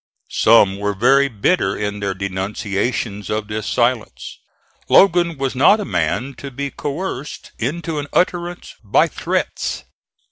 Some were very bitter in their denunciations of his silence. Logan was not a man to be coerced into an utterance by threats.